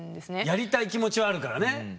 やりたい気持ちはあるからね。